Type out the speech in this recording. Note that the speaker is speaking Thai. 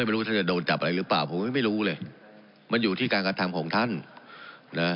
ผมไม่รู้แท้โดนจับอะไรรึเปล่าผมไม่รู้แหละมันอยู่ที่การการทำของท่านน่ะ